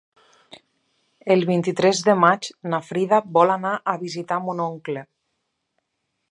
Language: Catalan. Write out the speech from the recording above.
El vint-i-tres de maig na Frida vol anar a visitar mon oncle.